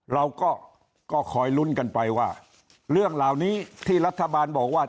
เราก็คอยลุ้นกันไปว่าเรื่องเหล่านี้ที่รัฐบาลบอกว่า